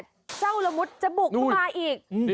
เจ้าระมุดจะบุกมาอีก